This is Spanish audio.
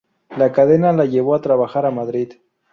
La cadena la llevó a trabajar a Madrid.